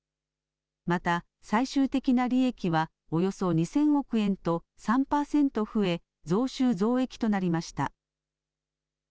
また最終的な利益はおよそ２０００億円と３％増え増収増益となりました。